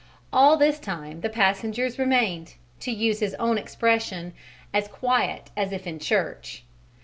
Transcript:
All this time the passengers remained to use his own expression "as quiet as if in church."